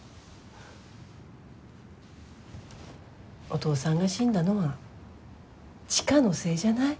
お父さんが死んだのは知花のせいじゃない。